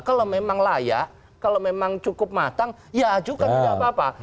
kalau memang layak kalau memang cukup matang ya ajukan tidak apa apa